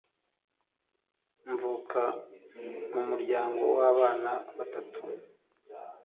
mvuka mumuryango wabana batatu